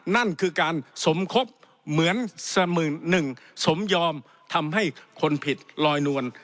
นั่นคือการสมคบเหมือนเสมือนหนึ่งสมยอมทำให้คนผิดลอยนวล